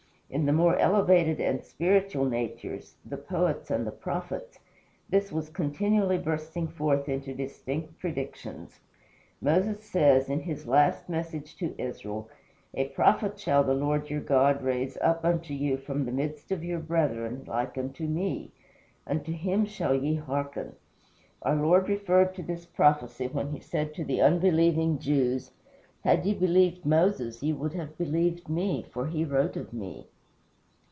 In the more elevated and spiritual natures the poets and the prophets this was continually bursting forth into distinct predictions. Moses says, in his last message to Israel, "A prophet shall the Lord your God raise up unto you from the midst of your brethren like unto me; unto Him shall ye hearken." Our Lord referred to this prophecy when he said to the unbelieving Jews, "Had ye believed Moses ye would have believed me, for he wrote of me."